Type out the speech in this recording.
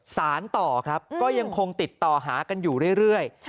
สารต่อครับก็ยังคงติดต่อหากันอยู่เรื่อย